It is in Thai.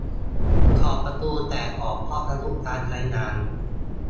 ขอบประตูแตกออกเพราะอายุการใช้งาน